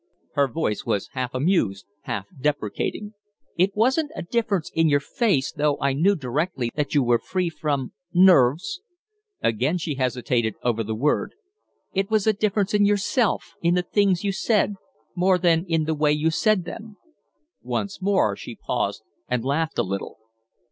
Her voice was half amused, half deprecating. "It wasn't a difference in your face, though I knew directly that you were free from nerves." Again she hesitated over the word. "It was a difference in yourself, in the things you said, more than in the way you said them." Once more she paused and laughed a little.